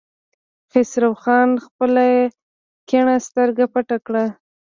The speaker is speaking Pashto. خسرو خان خپله کيڼه سترګه پټه کړه.